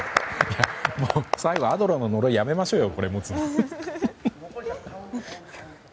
最後、アドラーの呪いやめましょうよ。